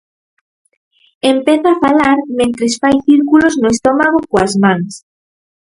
Empeza a falar mentres fai círculos no estómago coas mans.